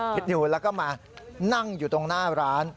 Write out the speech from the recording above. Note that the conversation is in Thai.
อยู่แล้วก็มานั่งอยู่ตรงหน้าร้าน